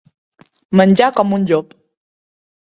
Menjar com un llop.